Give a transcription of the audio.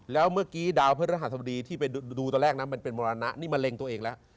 แล้วเมื่อกี้ดาวพระรหัสบดีที่ไปดูตอนแรกนะมันเป็นมรณะนี่มะเร็งตัวเองแล้ว